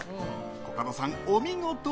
コカドさん、お見事！